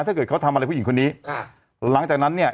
ถ้าเกิดเขาทำอะไรผู้หญิงคนนี้ค่ะหลังจากนั้นเนี่ย